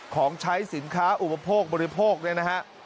ของใช้สินค้าอุปโภคบริโภคเนี่ยนะฮะ